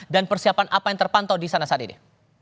dan persiapan apa yang terpantau di sana saat ini